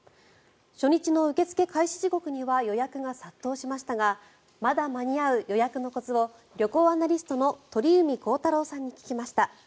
初日の受け付け開始時刻には予約が殺到しましたがまだ間に合う予約のコツを旅行アナリストの鳥海高太朗さんに聞きました。